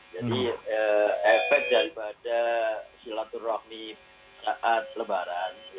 jadi efek daripada silaturahmi saat lebaran